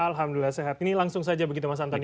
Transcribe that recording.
alhamdulillah sehat ini langsung saja begitu mas antoni